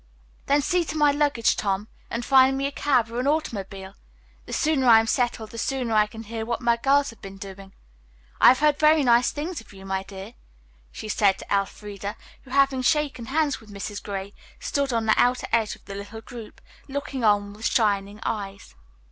"Then see to my luggage, Tom, and find me a cab or an automobile. The sooner I am settled the sooner I can hear what my girls have been doing. I have heard very nice things of you, my dear," she said to Elfreda, who, having shaken hands with Mrs. Gray, stood at the outer edge of the little group, looking on with shining eyes.